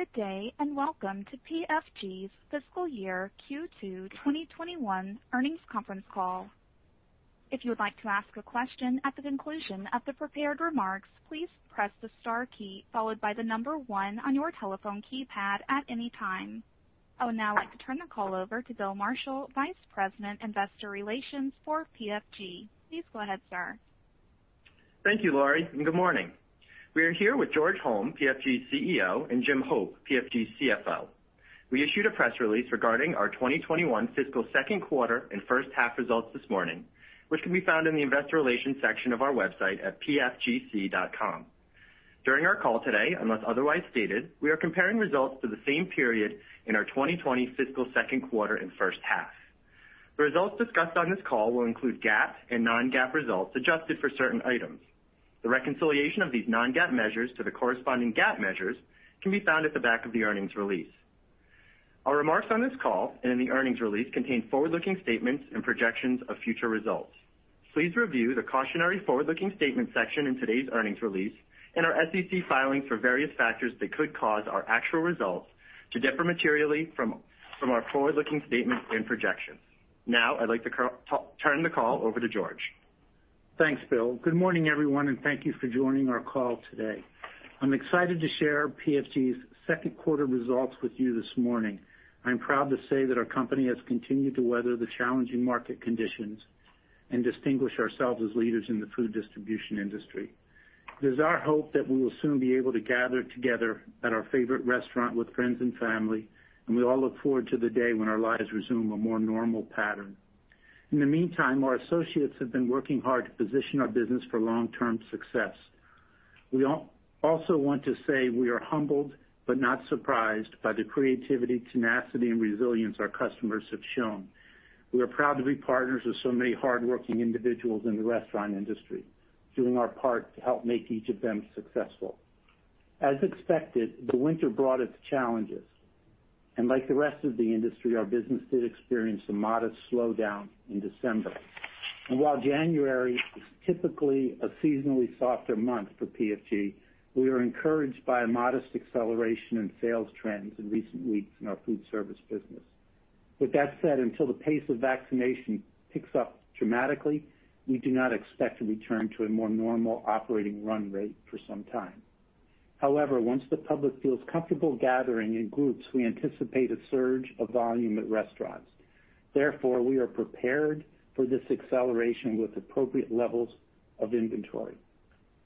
Good day, welcome to PFG's Fiscal Year Q2 2021 earnings conference call. I would now like to turn the call over to Bill Marshall, Vice President, Investor Relations for PFG. Please go ahead, sir. Thank you, Laurie, and good morning. We are here with George Holm, PFG's CEO, and Jim Hope, PFG's CFO. We issued a press release regarding our 2021 fiscal second quarter and first half results this morning, which can be found in the investor relations section of our website at pfgc.com. During our call today, unless otherwise stated, we are comparing results to the same period in our 2020 fiscal second quarter and first half. The results discussed on this call will include GAAP and non-GAAP results adjusted for certain items. The reconciliation of these non-GAAP measures to the corresponding GAAP measures can be found at the back of the earnings release. Our remarks on this call and in the earnings release contain forward-looking statements and projections of future results. Please review the Cautionary Forward-Looking Statement section in today's earnings release and our SEC filings for various factors that could cause our actual results to differ materially from our forward-looking statements and projections. Now, I'd like to turn the call over to George. Thanks, Bill. Good morning, everyone, and thank you for joining our call today. I'm excited to share PFG's second quarter results with you this morning. I'm proud to say that our company has continued to weather the challenging market conditions and distinguish ourselves as leaders in the food distribution industry. It is our hope that we will soon be able to gather together at our favorite restaurant with friends and family, and we all look forward to the day when our lives resume a more normal pattern. In the meantime, our associates have been working hard to position our business for long-term success. We also want to say we are humbled, but not surprised by the creativity, tenacity, and resilience our customers have shown. We are proud to be partners with so many hardworking individuals in the restaurant industry, doing our part to help make each of them successful. As expected, the winter brought its challenges, and like the rest of the industry, our business did experience a modest slowdown in December. While January is typically a seasonally softer month for PFG, we are encouraged by a modest acceleration in sales trends in recent weeks in our foodservice business. With that said, until the pace of vaccination picks up dramatically, we do not expect to return to a more normal operating run rate for some time. However, once the public feels comfortable gathering in groups, we anticipate a surge of volume at restaurants. Therefore, we are prepared for this acceleration with appropriate levels of inventory.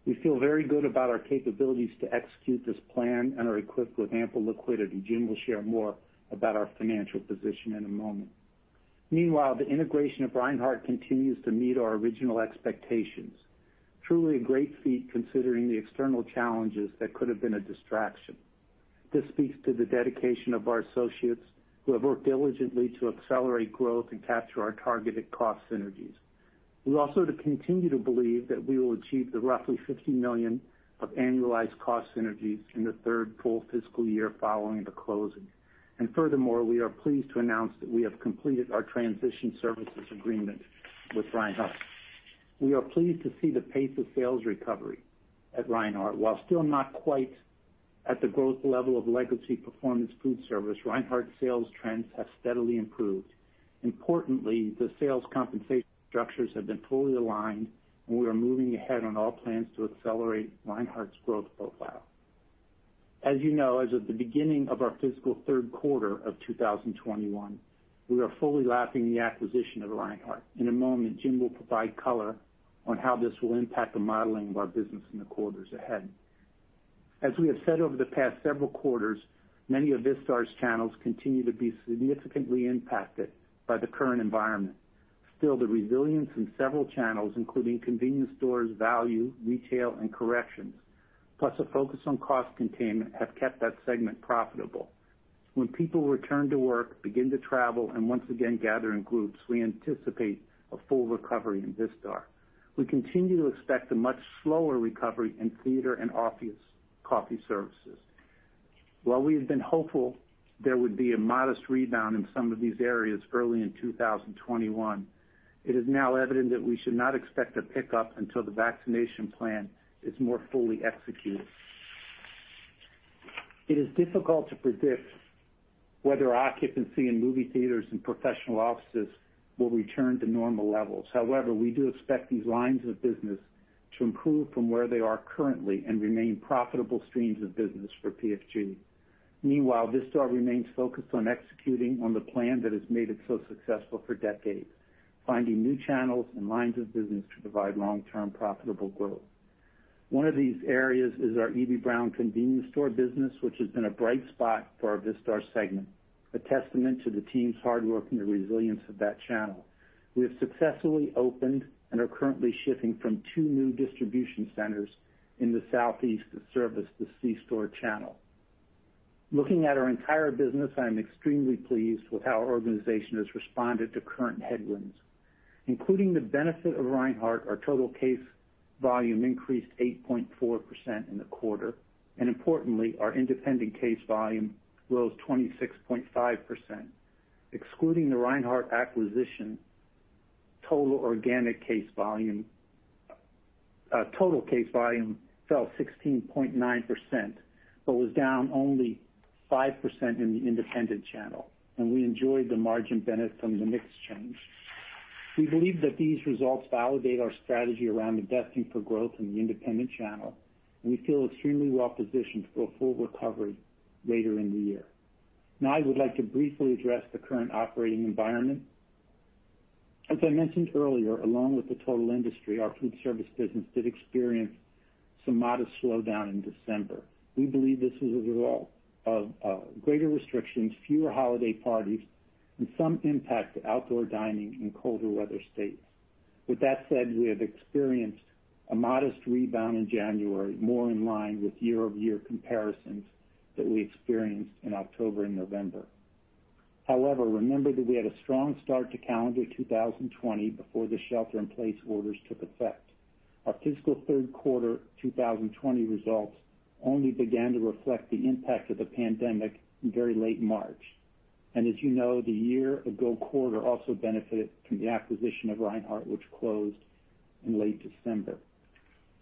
We feel very good about our capabilities to execute this plan and are equipped with ample liquidity. Jim will share more about our financial position in a moment. Meanwhile, the integration of Reinhart continues to meet our original expectations. Truly a great feat considering the external challenges that could have been a distraction. This speaks to the dedication of our associates who have worked diligently to accelerate growth and capture our targeted cost synergies. We also continue to believe that we will achieve the roughly $50 million of annualized cost synergies in the third full fiscal year following the closing. Furthermore, we are pleased to announce that we have completed our transition services agreement with Reinhart. We are pleased to see the pace of sales recovery at Reinhart. While still not quite at the growth level of legacy Performance Foodservice, Reinhart sales trends have steadily improved. Importantly, the sales compensation structures have been fully aligned, and we are moving ahead on all plans to accelerate Reinhart's growth profile. As you know, as of the beginning of our fiscal third quarter of 2021, we are fully lapping the acquisition of Reinhart. In a moment, Jim will provide color on how this will impact the modeling of our business in the quarters ahead. As we have said over the past several quarters, many of Vistar's channels continue to be significantly impacted by the current environment. Still, the resilience in several channels, including convenience stores, value, retail, and corrections, plus a focus on cost containment, have kept that segment profitable. When people return to work, begin to travel, and once again gather in groups, we anticipate a full recovery in Vistar. We continue to expect a much slower recovery in theater and office coffee services. While we have been hopeful there would be a modest rebound in some of these areas early in 2021, it is now evident that we should not expect a pickup until the vaccination plan is more fully executed. It is difficult to predict whether occupancy in movie theaters and professional offices will return to normal levels. However, we do expect these lines of business to improve from where they are currently and remain profitable streams of business for PFG. Meanwhile, Vistar remains focused on executing on the plan that has made it so successful for decades, finding new channels and lines of business to provide long-term profitable growth. One of these areas is our Eby-Brown convenience store business, which has been a bright spot for our Vistar segment, a testament to the team's hard work and the resilience of that channel. We have successfully opened and are currently shipping from two new distribution centers in the Southeast to service the C-store channel. Looking at our entire business, I am extremely pleased with how our organization has responded to current headwinds. Including the benefit of Reinhart, our total case volume increased 8.4% in the quarter, and importantly, our independent case volume rose 26.5%. Excluding the Reinhart acquisition, total organic case volume fell 16.9%, but was down only 5% in the independent channel, and we enjoyed the margin benefit from the mix change. We believe that these results validate our strategy around investing for growth in the independent channel, and we feel extremely well positioned for a full recovery later in the year. Now I would like to briefly address the current operating environment. As I mentioned earlier, along with the total industry, our foodservice business did experience some modest slowdown in December. We believe this is a result of greater restrictions, fewer holiday parties, and some impact to outdoor dining in colder weather states. With that said, we have experienced a modest rebound in January, more in line with year-over-year comparisons that we experienced in October and November. Remember that we had a strong start to calendar 2020 before the shelter-in-place orders took effect. Our fiscal third quarter 2020 results only began to reflect the impact of the pandemic in very late March. As you know, the year-ago quarter also benefited from the acquisition of Reinhart, which closed in late December.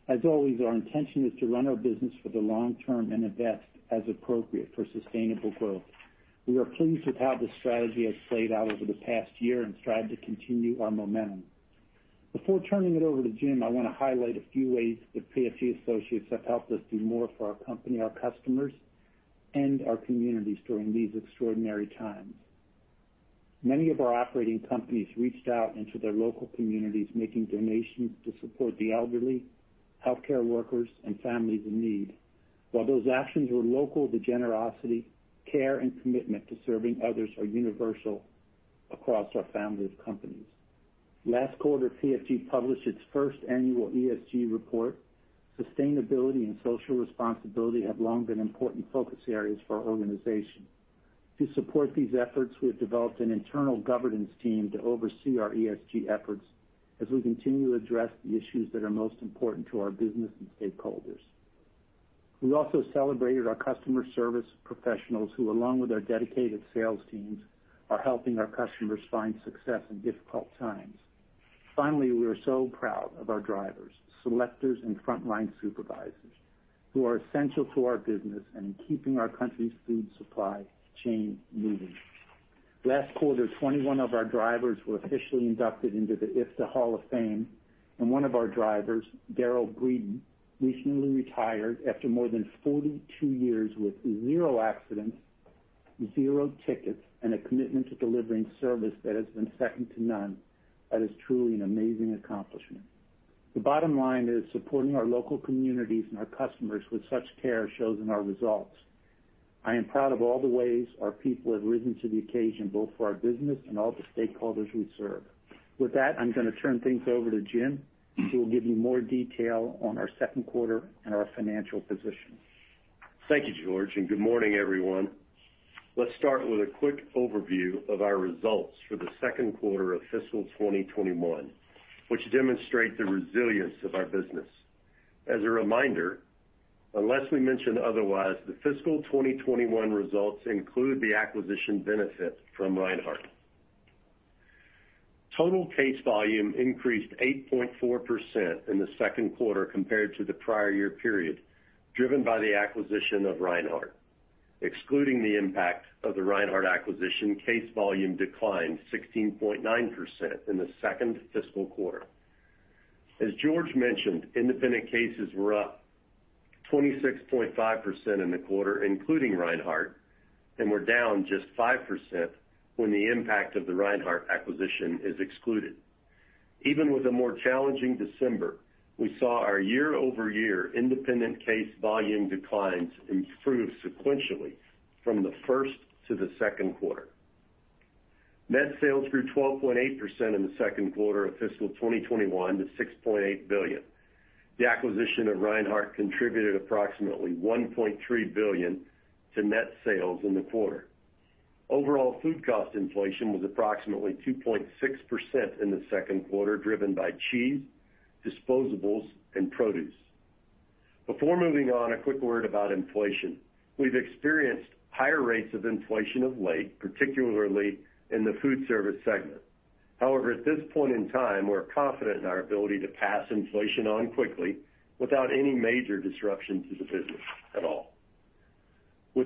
As always, our intention is to run our business for the long-term and invest as appropriate for sustainable growth. We are pleased with how this strategy has played out over the past year and strive to continue our momentum. Before turning it over to Jim, I want to highlight a few ways that PFG associates have helped us do more for our company, our customers, and our communities during these extraordinary times. Many of our operating companies reached out into their local communities, making donations to support the elderly, healthcare workers, and families in need. While those actions were local, the generosity, care, and commitment to serving others are universal across our family of companies. Last quarter, PFG published its first annual ESG report. Sustainability and social responsibility have long been important focus areas for our organization. To support these efforts, we have developed an internal governance team to oversee our ESG efforts as we continue to address the issues that are most important to our business and stakeholders. We also celebrated our customer service professionals who, along with our dedicated sales teams, are helping our customers find success in difficult times. We are so proud of our drivers, selectors, and frontline supervisors who are essential to our business and in keeping our country's food supply chain moving. Last quarter, 21 of our drivers were officially inducted into the IFDA Hall of Fame, and one of our drivers, Dar Breeden, recently retired after more than 42 years with zero accidents, zero tickets, and a commitment to delivering service that has been second to none. That is truly an amazing accomplishment. The bottom line is supporting our local communities and our customers with such care shows in our results. I am proud of all the ways our people have risen to the occasion, both for our business and all the stakeholders we serve. With that, I'm going to turn things over to Jim, who will give you more detail on our second quarter and our financial position. Thank you, George, and good morning, everyone. Let's start with a quick overview of our results for the second quarter of fiscal 2021, which demonstrate the resilience of our business. As a reminder, unless we mention otherwise, the fiscal 2021 results include the acquisition benefit from Reinhart. Total case volume increased 8.4% in the second quarter compared to the prior year period, driven by the acquisition of Reinhart. Excluding the impact of the Reinhart acquisition, case volume declined 16.9% in the second fiscal quarter. As George mentioned, independent cases were up 26.5% in the quarter, including Reinhart, and were down just 5% when the impact of the Reinhart acquisition is excluded. Even with a more challenging December, we saw our year-over-year independent case volume declines improve sequentially from the first to the second quarter. Net sales grew 12.8% in the second quarter of fiscal 2021 to $6.8 billion. The acquisition of Reinhart contributed approximately $1.3 billion to net sales in the quarter. Overall food cost inflation was approximately 2.6% in the second quarter, driven by cheese, disposables, and produce. Before moving on, a quick word about inflation. We've experienced higher rates of inflation of late, particularly in the food service segment. At this point in time, we're confident in our ability to pass inflation on quickly without any major disruption to the business at all. We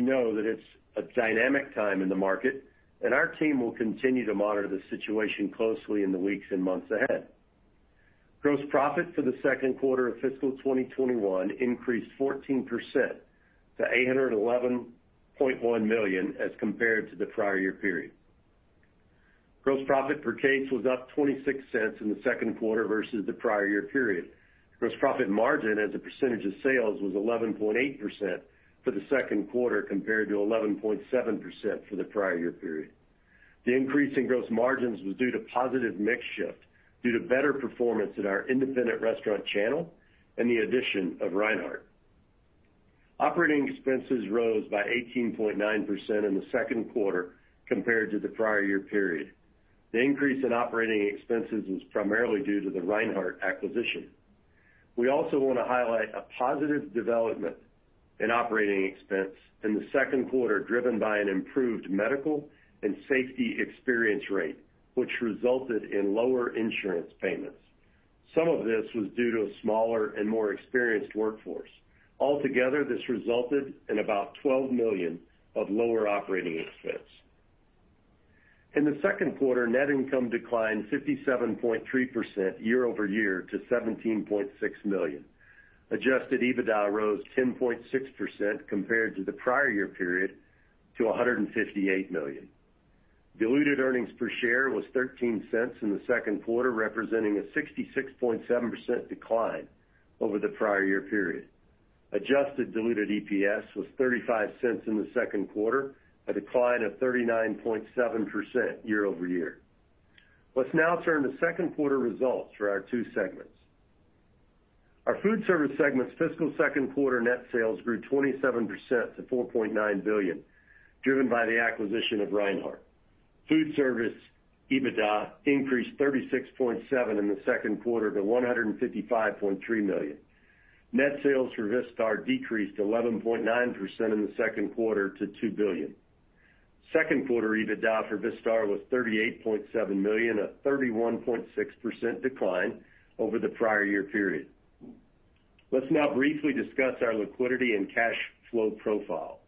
know that it's a dynamic time in the market and our team will continue to monitor the situation closely in the weeks and months ahead. Gross profit for the second quarter of fiscal 2021 increased 14% to $811.1 million as compared to the prior year period. Gross profit per case was up $0.26 in the second quarter versus the prior year period. Gross profit margin as a percentage of sales was 11.8% for the second quarter, compared to 11.7% for the prior year period. The increase in gross margins was due to positive mix shift due to better performance in our independent restaurant channel and the addition of Reinhart. Operating expenses rose by 18.9% in the second quarter compared to the prior year period. The increase in operating expenses was primarily due to the Reinhart acquisition. We also want to highlight a positive development in operating expense in the second quarter, driven by an improved medical and safety experience rate, which resulted in lower insurance payments. Some of this was due to a smaller and more experienced workforce. Altogether, this resulted in about $12 million of lower operating expense. In the second quarter, net income declined 57.3% year-over-year to $17.6 million. Adjusted EBITDA rose 10.6% compared to the prior year period to $158 million. Diluted earnings per share was $0.13 in the second quarter, representing a 66.7% decline over the prior year period. Adjusted diluted EPS was $0.35 in the second quarter, a decline of 39.7% year-over-year. Let's now turn to second quarter results for our two segments. Our Foodservice segment's fiscal second quarter net sales grew 27% to $4.9 billion, driven by the acquisition of Reinhart. Foodservice EBITDA increased 36.7% in the second quarter to $155.3 million. Net sales for Vistar decreased 11.9% in the second quarter to $2 billion. Second quarter EBITDA for Vistar was $38.7 million, a 31.6% decline over the prior year period. Let's now briefly discuss our liquidity and cash flow profile.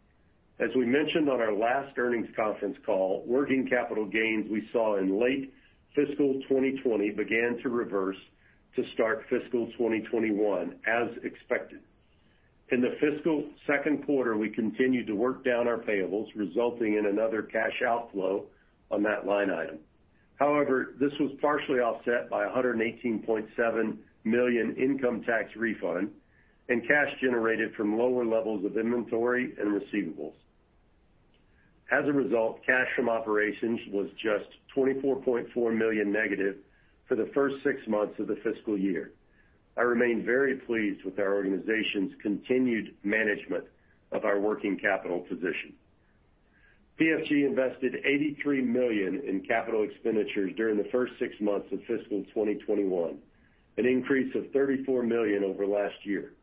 As we mentioned on our last earnings conference call, working capital gains we saw in late fiscal 2020 began to reverse to start fiscal 2021, as expected. In the fiscal second quarter, we continued to work down our payables, resulting in another cash outflow on that line item. However, this was partially offset by a $118.7 million income tax refund and cash generated from lower levels of inventory and receivables. As a result, cash from operations was just $24.4 million negative for the first six months of the fiscal year. I remain very pleased with our organization's continued management of our working capital position. PFG invested $83 million in capital expenditures during the first six months of fiscal 2021, an increase of $34 million over last year.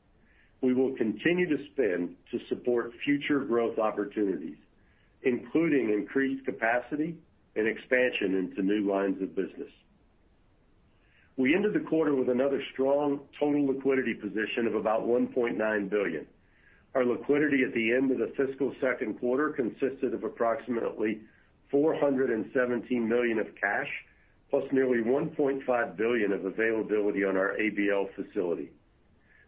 We will continue to spend to support future growth opportunities, including increased capacity and expansion into new lines of business. We ended the quarter with another strong total liquidity position of about $1.9 billion. Our liquidity at the end of the fiscal second quarter consisted of approximately $417 million of cash, plus nearly $1.5 billion of availability on our ABL facility.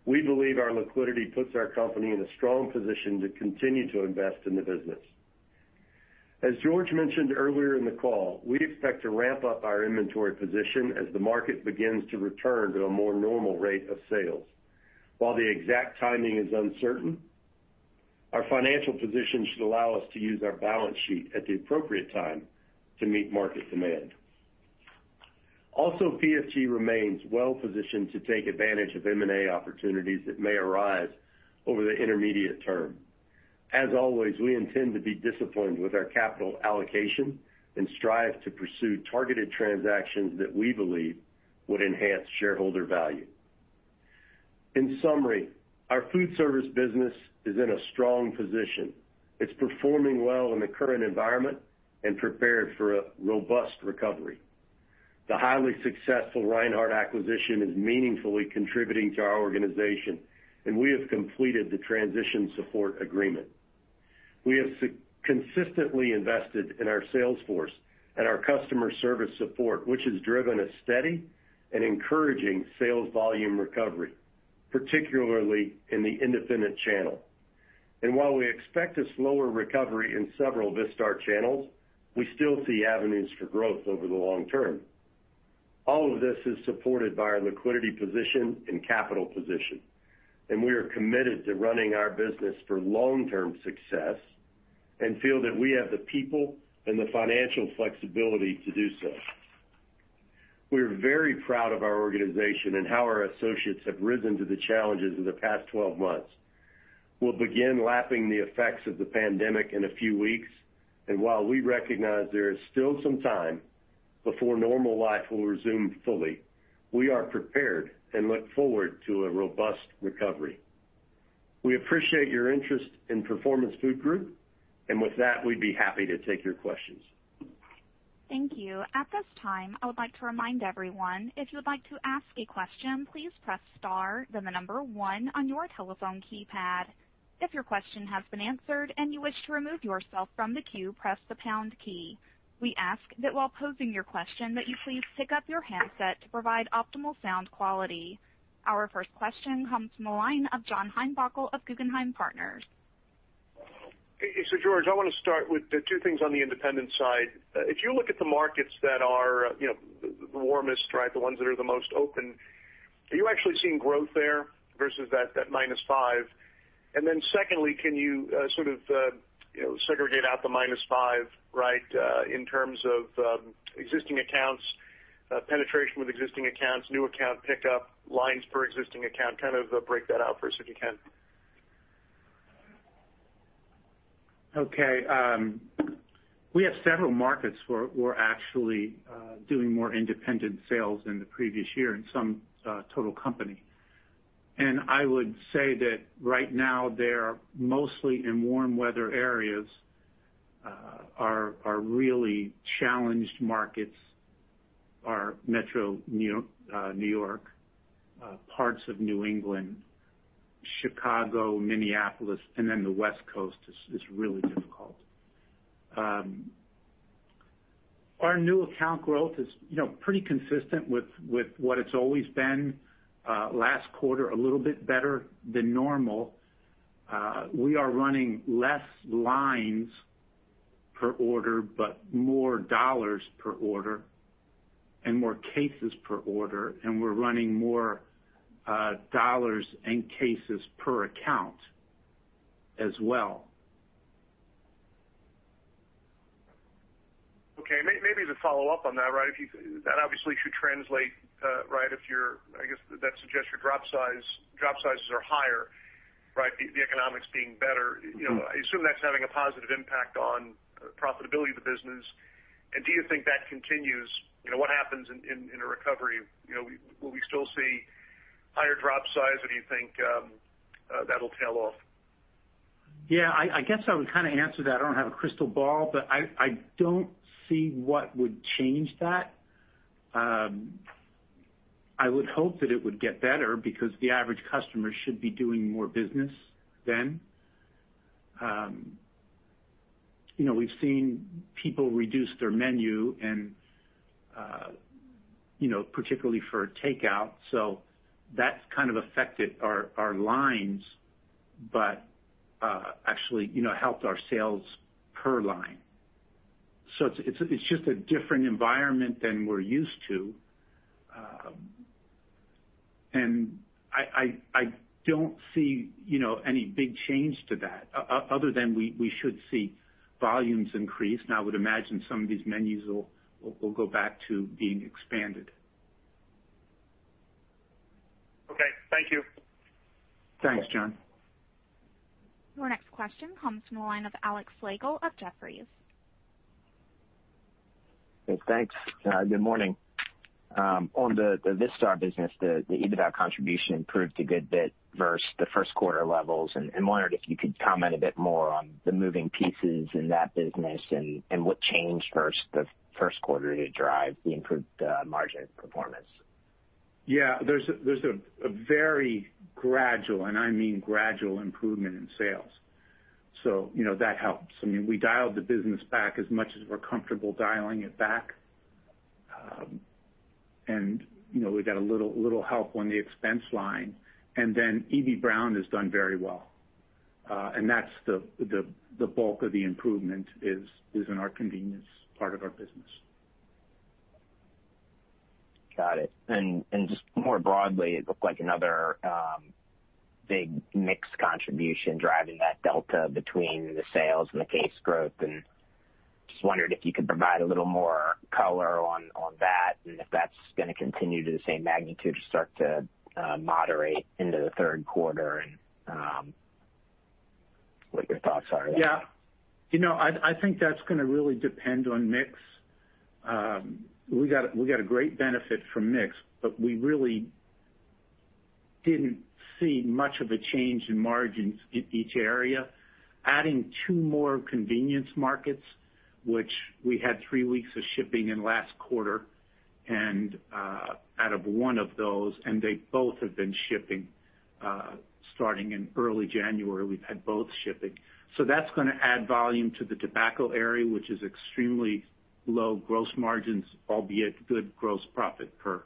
We believe our liquidity puts our company in a strong position to continue to invest in the business. As George mentioned earlier in the call, we expect to ramp up our inventory position as the market begins to return to a more normal rate of sales. While the exact timing is uncertain, our financial position should allow us to use our balance sheet at the appropriate time to meet market demand. PFG remains well positioned to take advantage of M&A opportunities that may arise over the intermediate term. As always, we intend to be disciplined with our capital allocation and strive to pursue targeted transactions that we believe would enhance shareholder value. In summary, our foodservice business is in a strong position. It's performing well in the current environment and prepared for a robust recovery. The highly successful Reinhart acquisition is meaningfully contributing to our organization, and we have completed the transition services agreement. We have consistently invested in our sales force and our customer service support, which has driven a steady and encouraging sales volume recovery, particularly in the independent channel. While we expect a slower recovery in several Vistar channels, we still see avenues for growth over the long-term. All of this is supported by our liquidity position and capital position, and we are committed to running our business for long-term success and feel that we have the people and the financial flexibility to do so. We're very proud of our organization and how our associates have risen to the challenges of the past 12 months. We'll begin lapping the effects of the pandemic in a few weeks, and while we recognize there is still some time before normal life will resume fully, we are prepared and look forward to a robust recovery. We appreciate your interest in Performance Food Group, and with that, we'd be happy to take your questions. Thank you. At this time, I would like to remind everyone, if you would like to ask a question, please press star, then the number one on your telephone keypad. If your question has been answered and you wish to remove yourself from the queue, press the pound key. We ask that while posing your question that you please pick up your handset to provide optimal sound quality. Our first question comes from the line of John Heinbockel of Guggenheim Partners. George, I want to start with two things on the independent side. If you look at the markets that are the warmest, right, the ones that are the most open, are you actually seeing growth there versus that -5%? Secondly, can you sort of segregate out the -5%, right, in terms of existing accounts, penetration with existing accounts, new account pickup, lines per existing account, kind of break that out for us if you can. Okay. We have several markets where we're actually doing more independent sales than the previous year in some total company. I would say that right now, they are mostly in warm weather areas, our really challenged markets are Metro New York, parts of New England, Chicago, Minneapolis, and then the West Coast is really difficult. Our new account growth is pretty consistent with what it's always been. Last quarter, a little bit better than normal. We are running less lines per order, but more dollars per order and more cases per order, and we're running more dollars and cases per account as well. Maybe as a follow-up on that obviously should translate, right? I guess that suggests your drop sizes are higher, right? The economics being better. I assume that's having a positive impact on profitability of the business, and do you think that continues? What happens in a recovery? Will we still see higher drop size or do you think that'll tail off? Yeah, I guess I would kind of answer that I don't have a crystal ball, but I don't see what would change that. I would hope that it would get better because the average customer should be doing more business then. We've seen people reduce their menu and particularly for takeout. That's kind of affected our lines, but actually helped our sales per line. It's just a different environment than we're used to. I don't see any big change to that other than we should see volumes increase, and I would imagine some of these menus will go back to being expanded. Okay. Thank you. Thanks, John. Your next question comes from the line of Alex Slagle of Jefferies. Yes, thanks. Good morning. On the Vistar business, the EBITDA contribution improved a good bit versus the first quarter levels. I wondered if you could comment a bit more on the moving pieces in that business and what changed versus the first quarter to drive the improved margin performance. Yeah. There's a very gradual, and I mean gradual improvement in sales. That helps. I mean, we dialed the business back as much as we're comfortable dialing it back. We got a little help on the expense line. Eby-Brown has done very well. That's the bulk of the improvement is in our convenience part of our business. Got it. Just more broadly, it looked like another big mix contribution driving that delta between the sales and the case growth, and just wondered if you could provide a little more color on that and if that's gonna continue to the same magnitude or start to moderate into the third quarter and what your thoughts are there? Yeah. I think that's gonna really depend on mix. We got a great benefit from mix, we really didn't see much of a change in margins in each area. Adding two more convenience markets, which we had three weeks of shipping in last quarter, out of one of those, and they both have been shipping, starting in early January, we've had both shipping. That's gonna add volume to the tobacco area, which is extremely low gross margins, albeit good gross profit per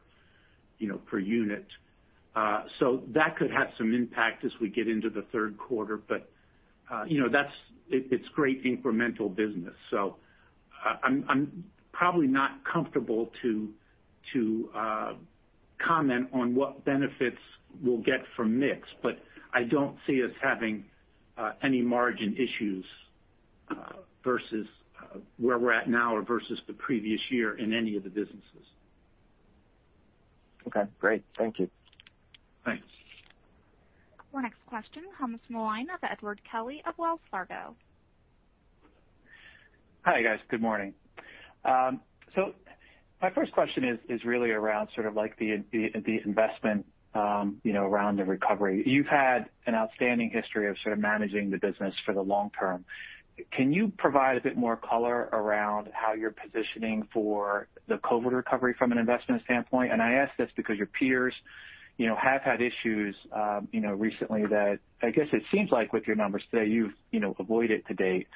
unit. That could have some impact as we get into the third quarter. It's great incremental business. I'm probably not comfortable to comment on what benefits we'll get from mix, but I don't see us having any margin issues, versus where we're at now or versus the previous year in any of the businesses. Okay, great. Thank you. Thanks. Our next question comes from the line of Edward Kelly of Wells Fargo. Hi, guys. Good morning. My first question is really around sort of like the investment around the recovery. You've had an outstanding history of sort of managing the business for the long-term. Can you provide a bit more color around how you're positioning for the COVID recovery from an investment standpoint? I ask this because your peers have had issues recently that I guess it seems like with your numbers today, you've avoided to date.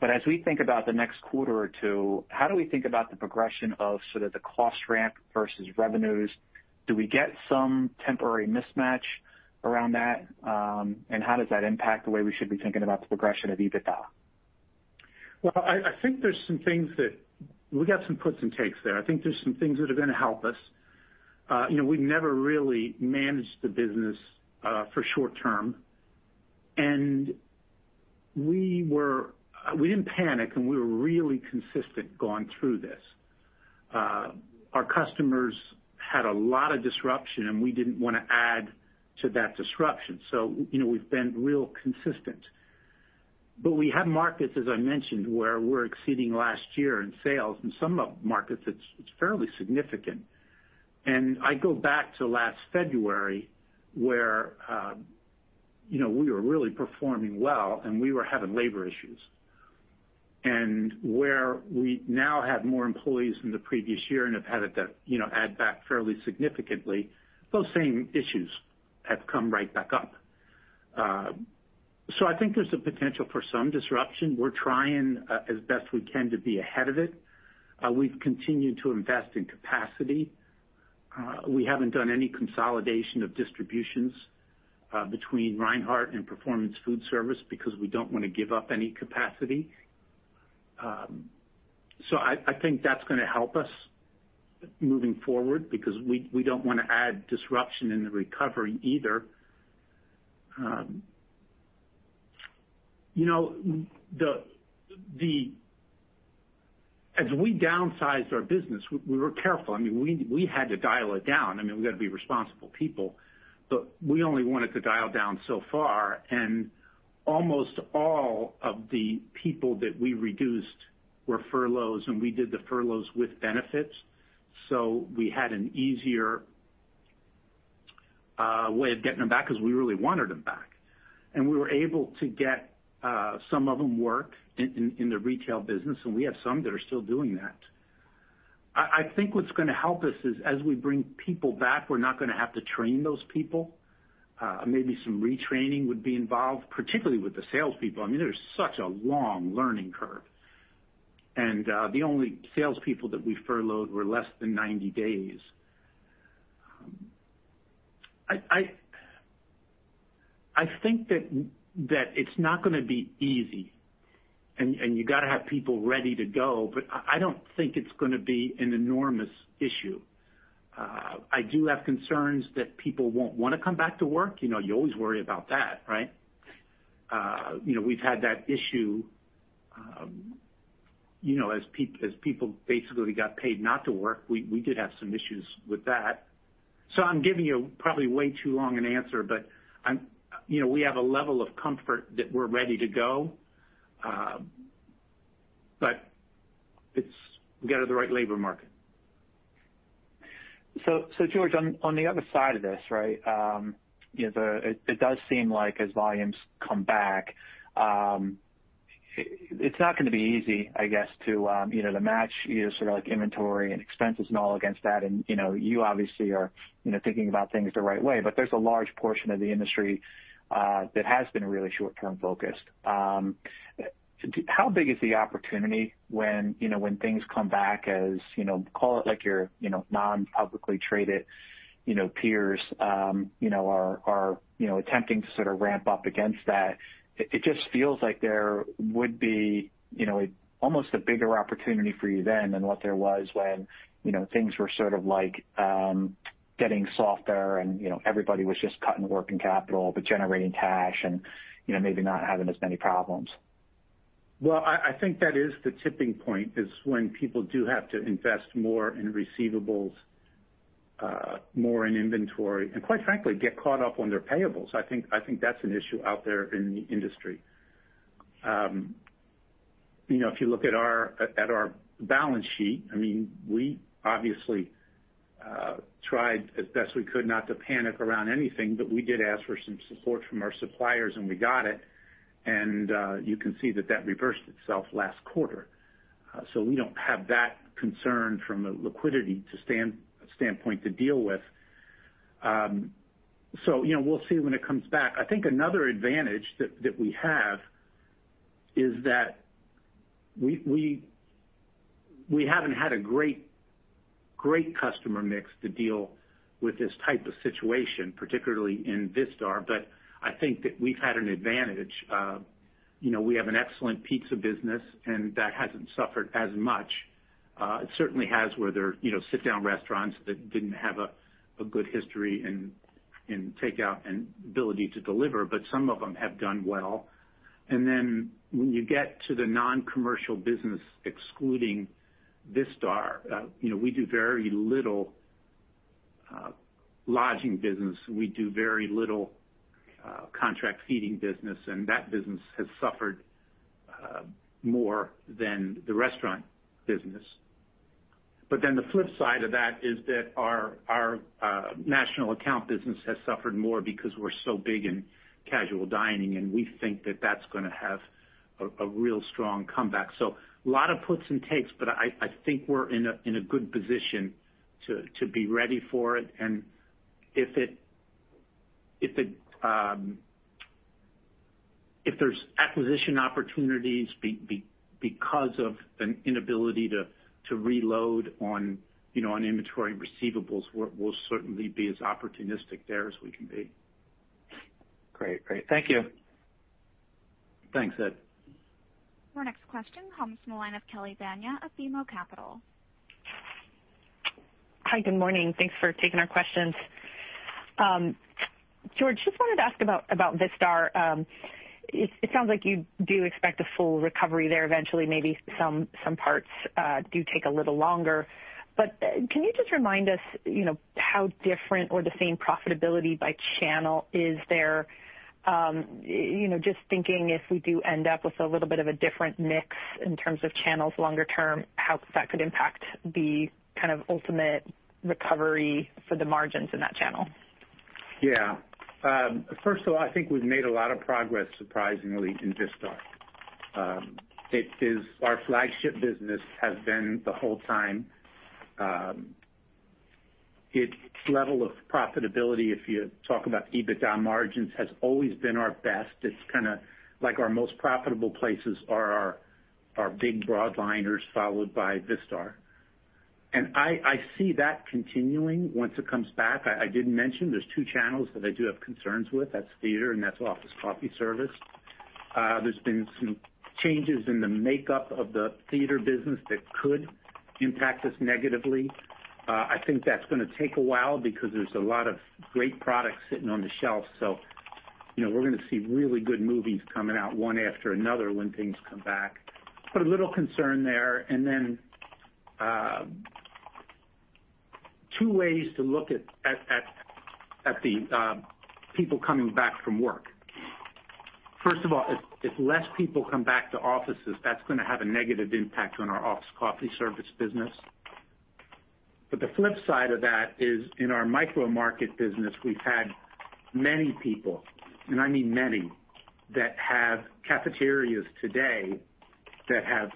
As we think about the next quarter or two, how do we think about the progression of sort of the cost ramp versus revenues? Do we get some temporary mismatch around that? How does that impact the way we should be thinking about the progression of EBITDA? Well, I think we got some puts and takes there. I think there's some things that are gonna help us. We never really managed the business for short-term, and we didn't panic, and we were really consistent going through this. Our customers had a lot of disruption, and we didn't want to add to that disruption. We've been real consistent. We have markets, as I mentioned, where we're exceeding last year in sales. In some of the markets, it's fairly significant. I go back to last February, where we were really performing well, and we were having labor issues. Where we now have more employees than the previous year and have had that add back fairly significantly, those same issues have come right back up. I think there's a potential for some disruption. We're trying as best we can to be ahead of it. We've continued to invest in capacity. We haven't done any consolidation of distributions between Reinhart and Performance Foodservice because we don't want to give up any capacity. I think that's going to help us moving forward because we don't want to add disruption in the recovery either. As we downsized our business, we were careful. We had to dial it down. We've got to be responsible people. We only wanted to dial down so far, and almost all of the people that we reduced were furloughs, and we did the furloughs with benefits. We had an easier way of getting them back because we really wanted them back. We were able to get some of them work in the retail business, and we have some that are still doing that. I think what's going to help us is, as we bring people back, we're not going to have to train those people. Maybe some retraining would be involved, particularly with the salespeople. There's such a long learning curve. The only salespeople that we furloughed were less than 90 days. I think that it's not going to be easy, and you got to have people ready to go, but I don't think it's going to be an enormous issue. I do have concerns that people won't want to come back to work. You always worry about that, right? We've had that issue. As people basically got paid not to work, we did have some issues with that. I'm giving you probably way too long an answer, but we have a level of comfort that we're ready to go. We got to have the right labor market. George, on the other side of this, it does seem like as volumes come back, it's not going to be easy, I guess, to match your inventory and expenses and all against that. You obviously are thinking about things the right way, but there's a large portion of the industry that has been really short-term focused. How big is the opportunity when things come back as, call it like your non-publicly traded peers are attempting to sort of ramp up against that? It just feels like there would be almost a bigger opportunity for you then than what there was when things were sort of getting softer and everybody was just cutting working capital, but generating cash and maybe not having as many problems. Well, I think that is the tipping point, is when people do have to invest more in receivables, more in inventory, and quite frankly, get caught up on their payables. I think that's an issue out there in the industry. If you look at our balance sheet, we obviously tried as best we could not to panic around anything, but we did ask for some support from our suppliers, and we got it. You can see that that reversed itself last quarter. We don't have that concern from a liquidity standpoint to deal with. We'll see when it comes back. I think another advantage that we have is that we haven't had a great customer mix to deal with this type of situation, particularly in Vistar. I think that we've had an advantage. We have an excellent pizza business, and that hasn't suffered as much. It certainly has where there are sit-down restaurants that didn't have a good history in takeout and ability to deliver, but some of them have done well. When you get to the non-commercial business, excluding Vistar, we do very little lodging business. We do very little contract feeding business, and that business has suffered more than the restaurant business. The flip side of that is that our national account business has suffered more because we're so big in casual dining, and we think that that's going to have a real strong comeback. A lot of puts and takes, but I think we're in a good position to be ready for it. If there's acquisition opportunities because of an inability to reload on inventory and receivables, we'll certainly be as opportunistic there as we can be. Great. Thank you. Thanks, Ed. Our next question comes from the line of Kelly Bania of BMO Capital. Hi, good morning. Thanks for taking our questions. George, just wanted to ask about Vistar. It sounds like you do expect a full recovery there eventually, maybe some parts do take a little longer. Can you just remind us how different or the same profitability by channel is there? Just thinking if we do end up with a little bit of a different mix in terms of channels longer term, how that could impact the kind of ultimate recovery for the margins in that channel. First of all, I think we've made a lot of progress, surprisingly, in Vistar. It is our flagship business, has been the whole time. Its level of profitability, if you talk about EBITDA margins, has always been our best. It's kind of like our most profitable places are our big broadliners, followed by Vistar. I see that continuing once it comes back. I did mention there's two channels that I do have concerns with. That's theater and that's office coffee service. There's been some changes in the makeup of the theater business that could impact us negatively. I think that's going to take a while because there's a lot of great products sitting on the shelf, so we're going to see really good movies coming out one after another when things come back. A little concern there. Two ways to look at the people coming back from work. First of all, if less people come back to offices, that's going to have a negative impact on our office coffee service business. The flip side of that is in our micro market business, we've had many people, and I mean many, that have cafeterias today that have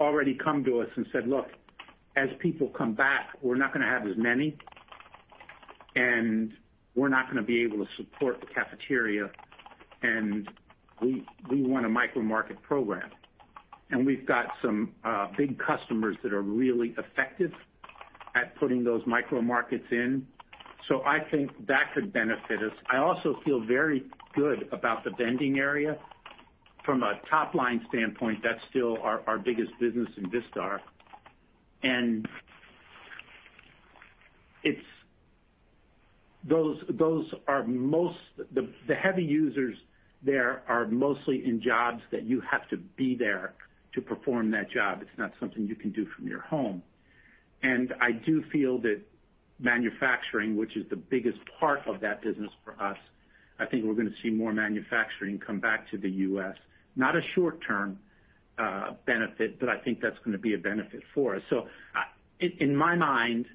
already come to us and said, "Look, as people come back, we're not going to have as many, and we're not going to be able to support the cafeteria, and we want a micro market program." We've got some big customers that are really effective at putting those micro markets in. I think that could benefit us. I also feel very good about the vending area. From a top-line standpoint, that's still our biggest business in Vistar. The heavy users there are mostly in jobs that you have to be there to perform that job. It's not something you can do from your home. I do feel that manufacturing, which is the biggest part of that business for us, I think we're going to see more manufacturing come back to the U.S. Not a short-term benefit, but I think that's going to be a benefit for us. In my mind,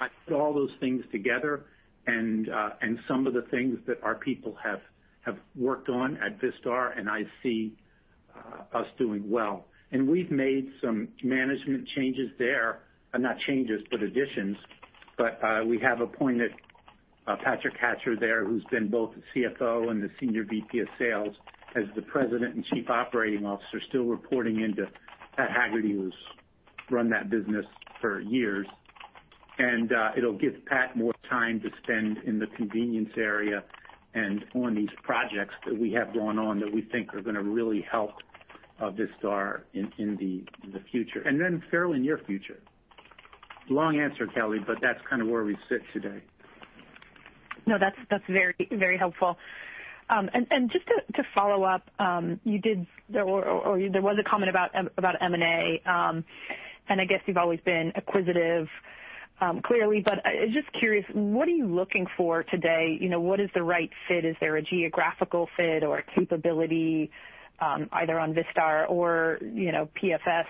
I put all those things together and some of the things that our people have worked on at Vistar, and I see us doing well. We've made some management changes there. Not changes, but additions. We have appointed Patrick Hatcher there, who's been both the CFO and the Senior VP of Sales, as the President and Chief Operating Officer, still reporting into Pat Hagerty, who's run that business for years. It'll give Pat more time to spend in the convenience area and on these projects that we have going on that we think are going to really help Vistar in the future. Then Farrell in your future. Long answer, Kelly, but that's kind of where we sit today. No, that's very helpful. Just to follow up, there was a comment about M&A. I guess you've always been acquisitive, clearly. Just curious, what are you looking for today? What is the right fit? Is there a geographical fit or a capability, either on Vistar or PFS?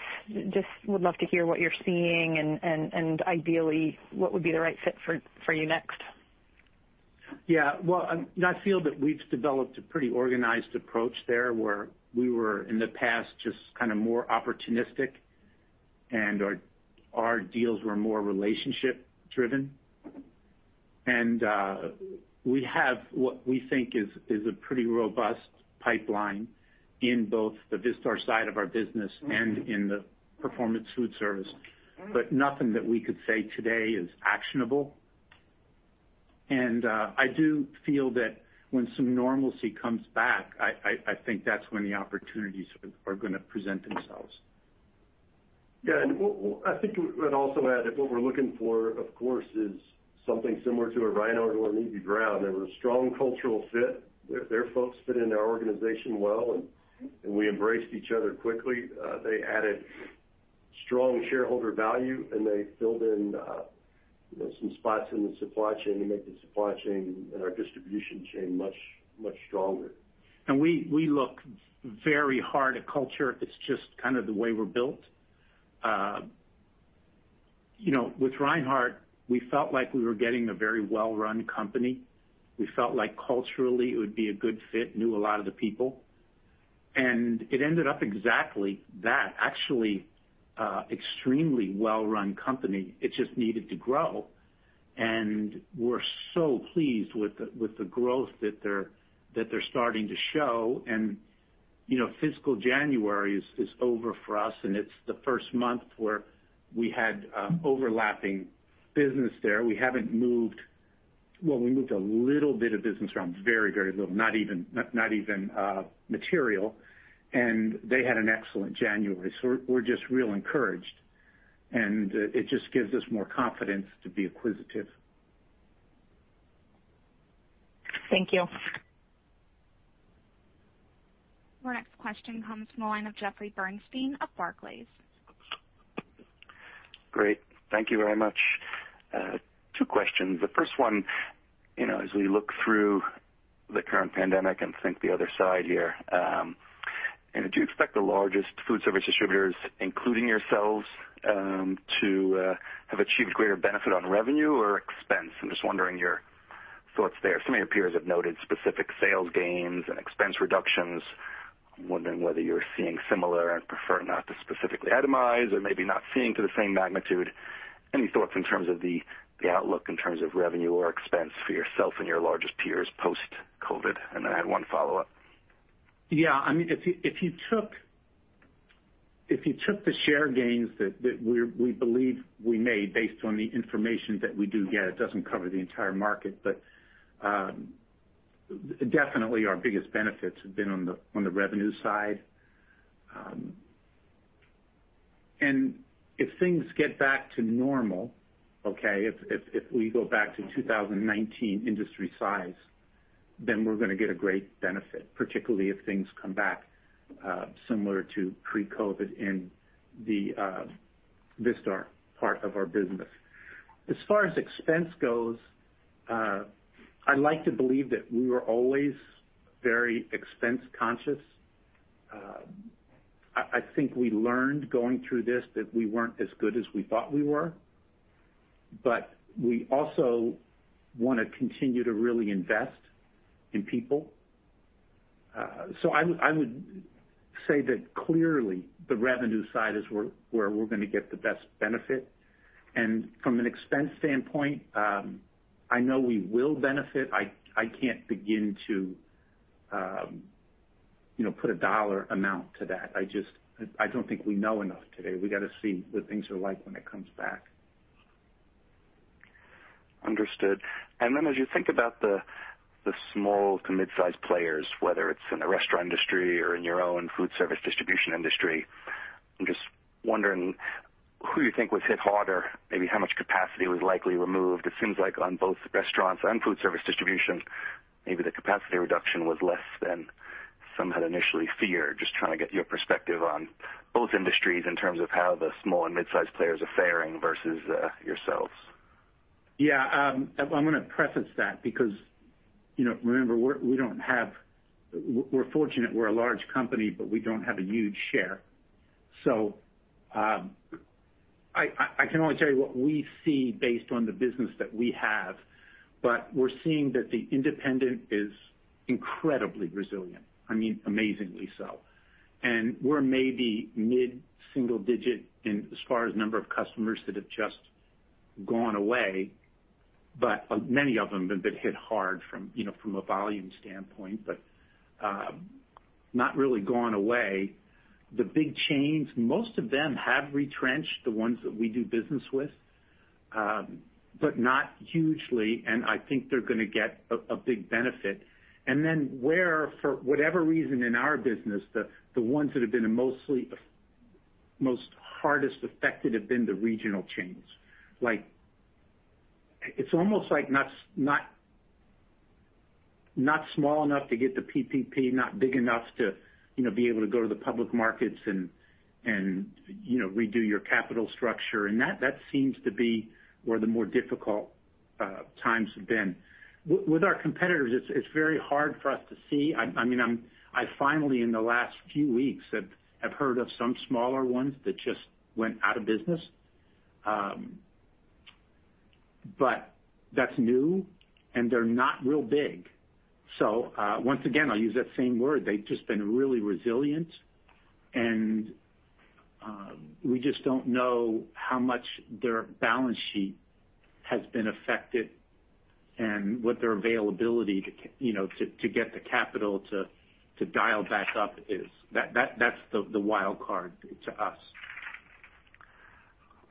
Just would love to hear what you're seeing and ideally, what would be the right fit for you next. Yeah. Well, I feel that we've developed a pretty organized approach there, where we were, in the past, just kind of more opportunistic, and our deals were more relationship driven. We have what we think is a pretty robust pipeline in both the Vistar side of our business and in the Performance Foodservice. Nothing that we could say today is actionable. I do feel that when some normalcy comes back, I think that's when the opportunities are going to present themselves. I think we would also add that what we're looking for, of course, is something similar to a Reinhart or an Eby-Brown. They were a strong cultural fit. Their folks fit into our organization well, and we embraced each other quickly. They added strong shareholder value, and they filled in some spots in the supply chain to make the supply chain and our distribution chain much stronger. We look very hard at culture. It's just kind of the way we're built. With Reinhart, we felt like we were getting a very well-run company. We felt like culturally it would be a good fit, knew a lot of the people. It ended up exactly that. Actually, extremely well-run company. It just needed to grow. We're so pleased with the growth that they're starting to show. Fiscal January is over for us, and it's the first month where we had overlapping business there. We moved a little bit of business around. Very, very little. Not even material. They had an excellent January. We're just real encouraged, and it just gives us more confidence to be acquisitive. Thank you. Our next question comes from the line of Jeffrey Bernstein of Barclays. Great. Thank you very much. Two questions. The first one, as we look through the current pandemic and think the other side here, do you expect the largest foodservice distributors, including yourselves, to have achieved greater benefit on revenue or expense? I'm just wondering your thoughts there. Some of your peers have noted specific sales gains and expense reductions. I'm wondering whether you're seeing similar and prefer not to specifically itemize or maybe not seeing to the same magnitude. Any thoughts in terms of the outlook in terms of revenue or expense for yourself and your largest peers post-COVID? I had one follow-up. If you took the share gains that we believe we made based on the information that we do get, it doesn't cover the entire market, but definitely our biggest benefits have been on the revenue side. If things get back to normal, okay, if we go back to 2019 industry size, then we're going to get a great benefit, particularly if things come back similar to pre-COVID in the Vistar part of our business. As far as expense goes, I like to believe that we were always very expense-conscious. I think we learned going through this that we weren't as good as we thought we were, but we also want to continue to really invest in people. I would say that clearly the revenue side is where we're going to get the best benefit. From an expense standpoint, I know we will benefit. I can't begin to put a dollar amount to that. I don't think we know enough today. We got to see what things are like when it comes back. Understood. As you think about the small to midsize players, whether it's in the restaurant industry or in your own foodservice distribution industry, I'm just wondering who you think was hit harder, maybe how much capacity was likely removed. It seems like on both restaurants and foodservice distribution, maybe the capacity reduction was less than some had initially feared. Just trying to get your perspective on both industries in terms of how the small and midsize players are faring versus yourselves. Yeah. I'm going to preface that because, remember, we're fortunate we're a large company, but we don't have a huge share. I can only tell you what we see based on the business that we have. We're seeing that the independent is incredibly resilient. Amazingly so. We're maybe mid-single digit as far as number of customers that have just gone away. Many of them have been hit hard from a volume standpoint, but not really gone away. The big chains, most of them have retrenched, the ones that we do business with, but not hugely, and I think they're going to get a big benefit. Where, for whatever reason in our business, the ones that have been the most hardest affected have been the regional chains. It's almost like not small enough to get the PPP, not big enough to be able to go to the public markets and redo your capital structure. That seems to be where the more difficult times have been. With our competitors, it's very hard for us to see. I finally, in the last few weeks, have heard of some smaller ones that just went out of business. That's new, and they're not real big. Once again, I'll use that same word. They've just been really resilient, and we just don't know how much their balance sheet has been affected and what their availability to get the capital to dial back up is. That's the wild card to us.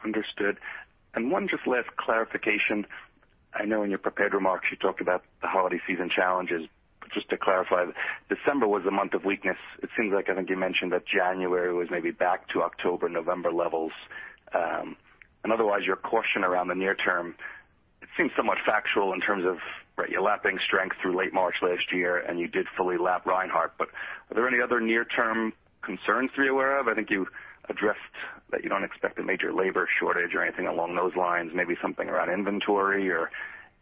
Understood. One just last clarification. I know in your prepared remarks, you talked about the holiday season challenges, but just to clarify, December was a month of weakness. It seems like, I think you mentioned that January was maybe back to October, November levels. Otherwise, your caution around the near-term, it seems somewhat factual in terms of you're lapping strength through late March last year, and you did fully lap Reinhart, but are there any other near-term concerns to be aware of? I think you addressed that you don't expect a major labor shortage or anything along those lines, maybe something around inventory or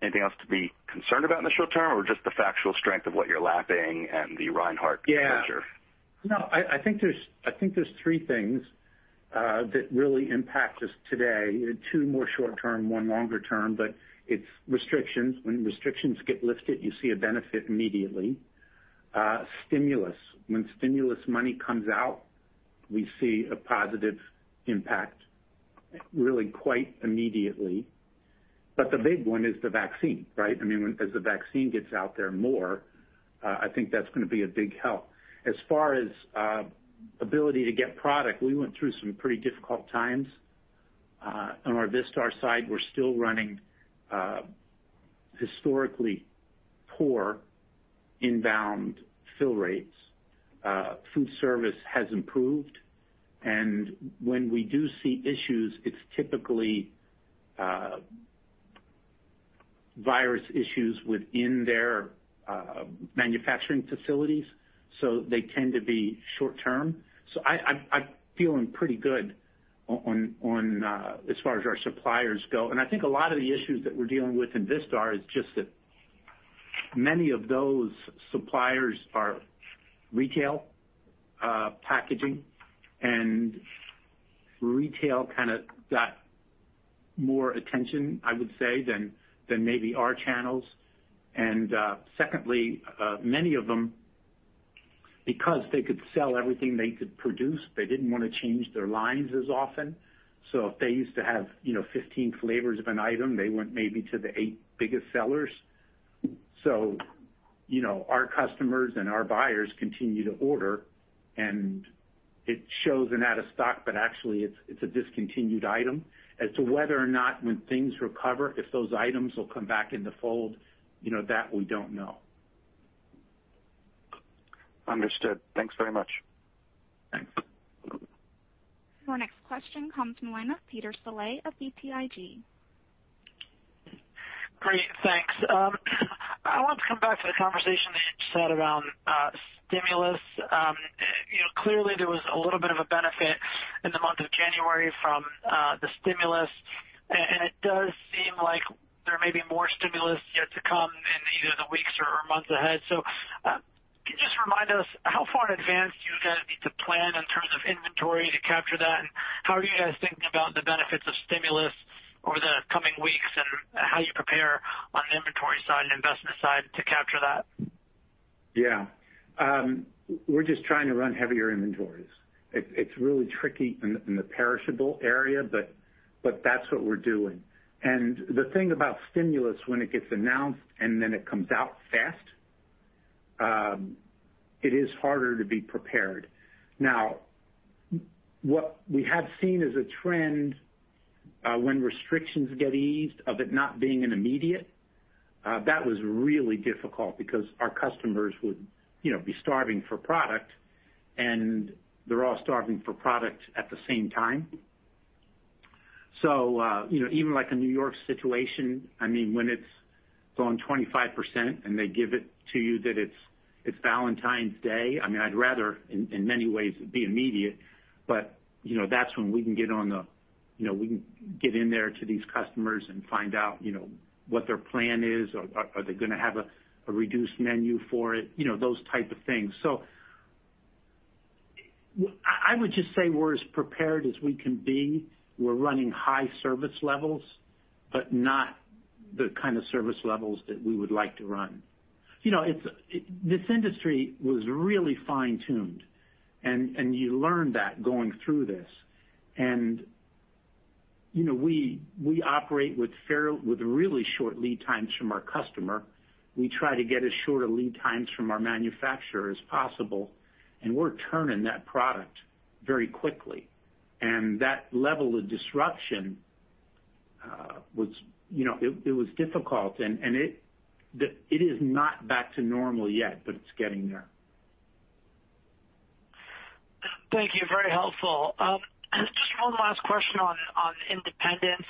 anything else to be concerned about in the short-term, or just the factual strength of what you're lapping and the Reinhart merger? Yeah. No, I think there's three things that really impact us today. Two more short-term, one longer term, it's restrictions. When restrictions get lifted, you see a benefit immediately. Stimulus. When stimulus money comes out, we see a positive impact really quite immediately. The big one is the vaccine, right? As the vaccine gets out there more, I think that's going to be a big help. As far as ability to get product, we went through some pretty difficult times on our Vistar side, we're still running historically poor inbound fill rates. Food service has improved, when we do see issues, it's typically virus issues within their manufacturing facilities, so they tend to be short-term. I'm feeling pretty good on as far as our suppliers go. I think a lot of the issues that we're dealing with in Vistar is just that many of those suppliers are retail packaging, and retail kind of got more attention, I would say, than maybe our channels. Secondly, many of them, because they could sell everything they could produce, they didn't want to change their lines as often. If they used to have 15 flavors of an item, they went maybe to the eight biggest sellers. Our customers and our buyers continue to order, and it shows an out of stock, but actually, it's a discontinued item. As to whether or not when things recover, if those items will come back in the fold, that we don't know. Understood. Thanks very much. Thanks. Our next question comes from the line of Peter Saleh of BTIG. Great. Thanks. I wanted to come back to the conversation that you just had around stimulus. Clearly, there was a little bit of a benefit in the month of January from the stimulus, and it does seem like there may be more stimulus yet to come in either the weeks or months ahead. Can you just remind us how far in advance do you guys need to plan in terms of inventory to capture that, and how are you guys thinking about the benefits of stimulus over the coming weeks, and how you prepare on the inventory side and investment side to capture that? Yeah. We're just trying to run heavier inventories. It's really tricky in the perishable area. That's what we're doing. The thing about stimulus, when it gets announced and then it comes out fast, it is harder to be prepared. Now, what we have seen is a trend, when restrictions get eased, of it not being an immediate. That was really difficult because our customers would be starving for product, and they're all starving for product at the same time. Even like a New York situation, when it's gone 25% and they give it to you that it's Valentine's Day, I'd rather, in many ways, it be immediate. That's when we can get in there to these customers and find out what their plan is, or are they going to have a reduced menu for it, those type of things. I would just say we're as prepared as we can be. We're running high service levels, but not the kind of service levels that we would like to run. This industry was really fine-tuned, you learn that going through this. We operate with really short lead times from our customer. We try to get as short a lead times from our manufacturer as possible, and we're turning that product very quickly. That level of disruption was difficult, and it is not back to normal yet, but it's getting there. Thank you. Very helpful. Just one last question on independents.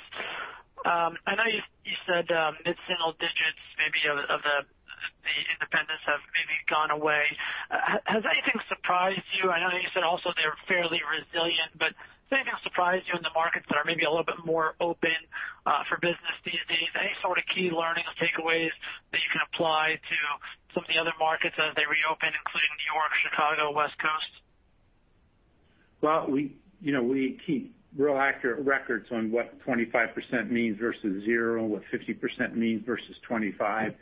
I know you said mid-single digits maybe of the independents have maybe gone away. Has anything surprised you? I know you said also they're fairly resilient. Has anything surprised you in the markets that are maybe a little bit more open for business these days? Any sort of key learnings or takeaways that you can apply to some of the other markets as they reopen, including New York, Chicago, West Coast? Well, we keep real accurate records on what 25% means versus zero, what 50% means versus 25.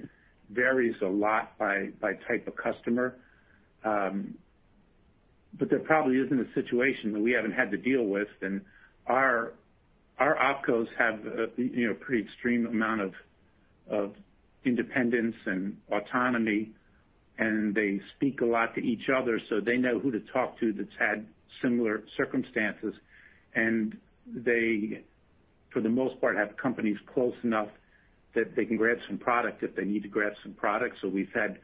Varies a lot by type of customer. There probably isn't a situation that we haven't had to deal with, and our Opcos have a pretty extreme amount of independence and autonomy, and they speak a lot to each other, so they know who to talk to that's had similar circumstances. They, for the most part, have companies close enough that they can grab some product if they need to grab some product. We've had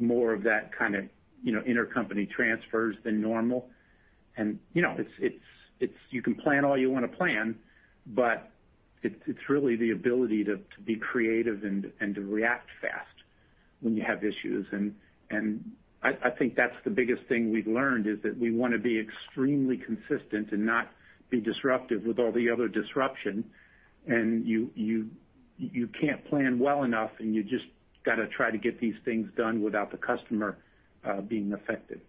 more of that kind of intercompany transfers than normal. You can plan all you want to plan, but it's really the ability to be creative and to react fast when you have issues. I think that's the biggest thing we've learned is that we want to be extremely consistent and not be disruptive with all the other disruption. You can't plan well enough, and you just gotta try to get these things done without the customer being affected.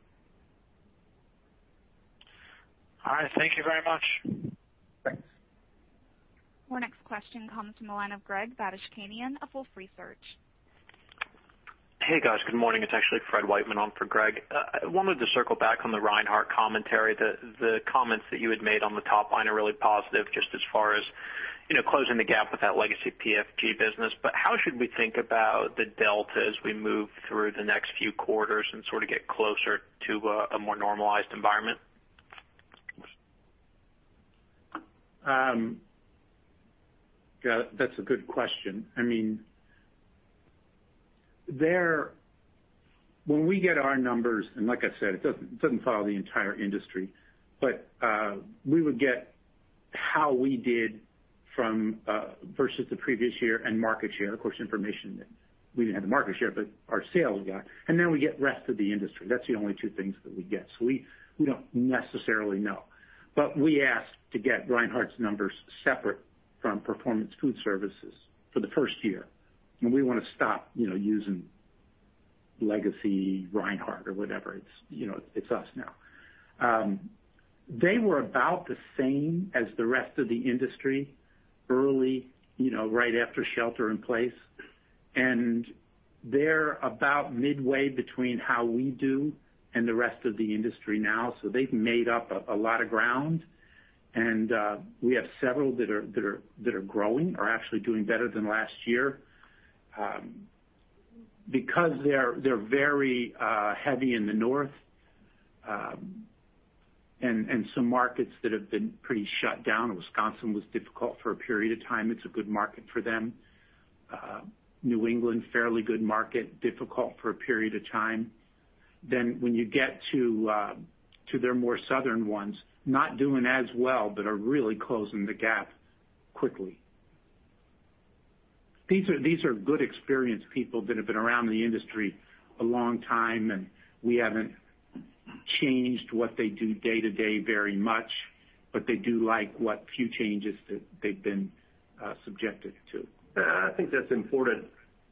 All right. Thank you very much. Thanks. Our next question comes from the line of Greg Badishkanian of Wolfe Research. Hey, guys. Good morning. It's actually Fred Wightman on for Greg. I wanted to circle back on the Reinhart commentary. The comments that you had made on the top line are really positive just as far as closing the gap with that legacy PFG business. How should we think about the delta as we move through the next few quarters and sort of get closer to a more normalized environment? Yeah, that's a good question. When we get our numbers, like I said, it doesn't follow the entire industry, but we would get how we did versus the previous year and market share. Of course, information that we didn't have the market share, but our sales guy. Then we get rest of the industry. That's the only two things that we get. We don't necessarily know. We asked to get Reinhart's numbers separate from Performance Foodservice for the first year, and we want to stop using legacy Reinhart or whatever. It's us now. They were about the same as the rest of the industry early, right after shelter in place. They're about midway between how we do and the rest of the industry now. They've made up a lot of ground. We have several that are growing, are actually doing better than last year. They're very heavy in the north, and some markets that have been pretty shut down. Wisconsin was difficult for a period of time. It's a good market for them. New England, fairly good market, difficult for a period of time. When you get to their more southern ones, not doing as well, but are really closing the gap quickly. These are good, experienced people that have been around the industry a long time, and we haven't changed what they do day to day very much, but they do like what few changes that they've been subjected to. I think that's important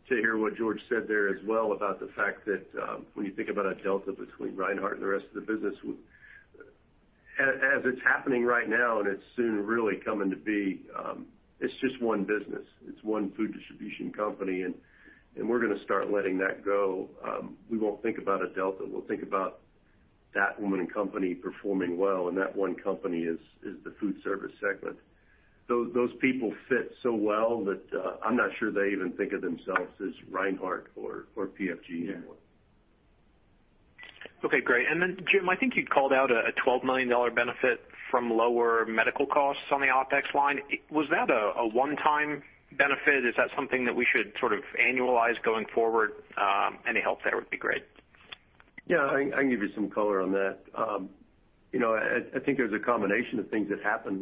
to hear what George said there as well about the fact that, when you think about a delta between Reinhart and the rest of the business, as it's happening right now, and it's soon really coming to be, it's just one business. It's one food distribution company. We're going to start letting that go. We won't think about a delta. We'll think about that one company performing well, and that one company is the foodservice segment. Those people fit so well that I'm not sure they even think of themselves as Reinhart or PFG anymore. Okay, great. Jim, I think you'd called out a $12 million benefit from lower medical costs on the OpEx line. Was that a one-time benefit? Is that something that we should sort of annualize going forward? Any help there would be great. Yeah, I can give you some color on that. I think there's a combination of things that happened.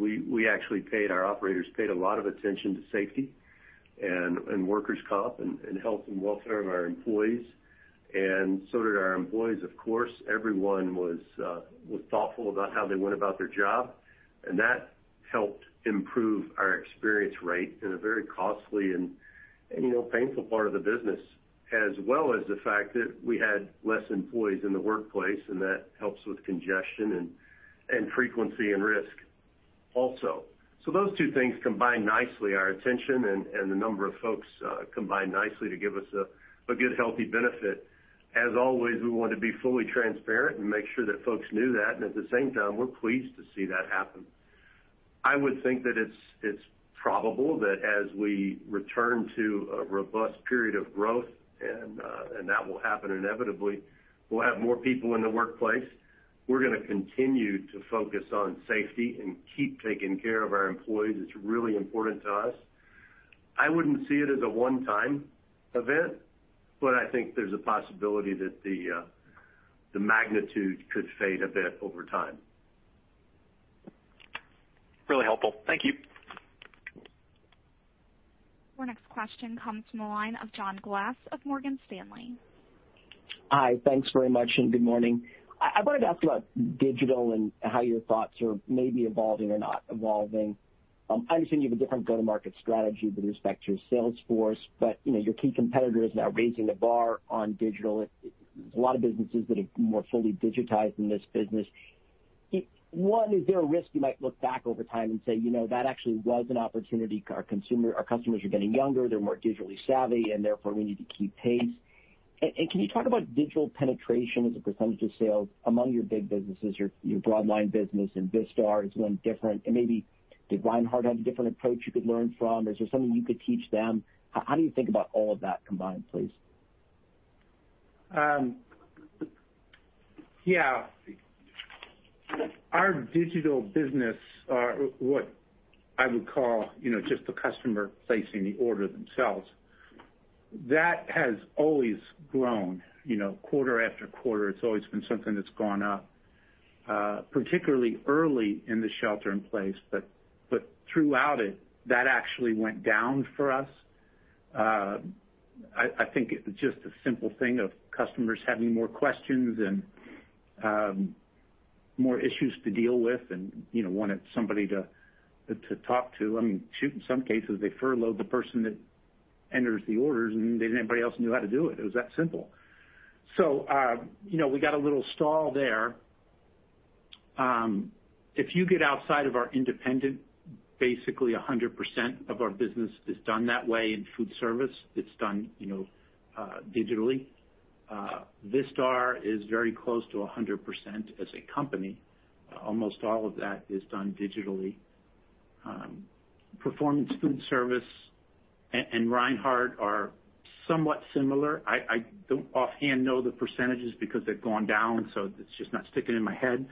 Our operators paid a lot of attention to safety and workers' comp and health and welfare of our employees, and so did our employees, of course. Everyone was thoughtful about how they went about their job, and that helped improve our experience rate in a very costly and painful part of the business, as well as the fact that we had less employees in the workplace, and that helps with congestion and frequency and risk also. Those two things combined nicely. Our attention and the number of folks combined nicely to give us a good, healthy benefit. As always, we want to be fully transparent and make sure that folks knew that, and at the same time, we're pleased to see that happen. I would think that it's probable that as we return to a robust period of growth, and that will happen inevitably, we'll have more people in the workplace. We're going to continue to focus on safety and keep taking care of our employees. It's really important to us. I wouldn't see it as a one-time event, but I think there's a possibility that the magnitude could fade a bit over time. Really helpful. Thank you. Our next question comes from the line of John Glass of Morgan Stanley. Hi, thanks very much, and good morning. I wanted to ask about digital and how your thoughts are maybe evolving or not evolving. I understand you have a different go-to-market strategy with respect to your sales force, but your key competitor is now raising the bar on digital. There's a lot of businesses that have more fully digitized in this business. One, is there a risk you might look back over time and say, "That actually was an opportunity. Our customers are getting younger, they're more digitally savvy, and therefore we need to keep pace." Can you talk about digital penetration as a percentage of sales among your big businesses, your Broadline business and Vistar is one, different, and maybe did Reinhart have a different approach you could learn from? Is there something you could teach them? How do you think about all of that combined, please? Yeah. Our digital business, what I would call just the customer placing the order themselves. That has always grown quarter after quarter. It's always been something that's gone up, particularly early in the shelter in place. Throughout it, that actually went down for us. I think it was just a simple thing of customers having more questions and more issues to deal with and wanted somebody to talk to. In some cases, they furloughed the person that enters the orders, and then everybody else knew how to do it. It was that simple. We got a little stall there. If you get outside of our independent, basically 100% of our business is done that way in foodservice. It's done digitally. Vistar is very close to 100% as a company. Almost all of that is done digitally. Performance Foodservice and Reinhart are somewhat similar. I don't offhand know the percentages because they've gone down, so it's just not sticking in my head.